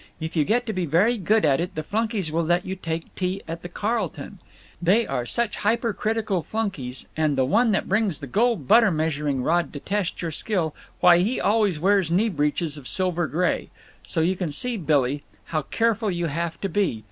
If you get to be very good at it the flunkies will let you take tea at the Carleton. They are such hypercritical flunkies, and the one that brings the gold butter measuring rod to test your skill, why, he always wears knee breeches of silver gray. So you can see, Billy, how careful you have to be.